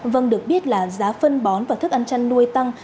vâng được biết là giá phân bón và thức ăn chăn nuôi tăng